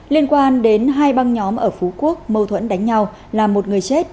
liên quan đến hai băng nhóm ở phú quốc mâu thuẫn đánh nhau là một người chết